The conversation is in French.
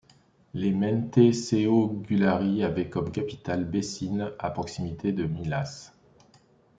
Les Menteşeoğulları avaient comme capitale Beçin à proximité de Milas.